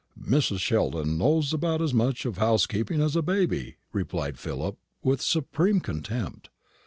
"Mrs. Sheldon knows about as much of housekeeping as a baby," replied Philip, with supreme contempt.